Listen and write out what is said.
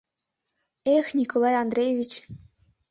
Эх, Николай Андреевич.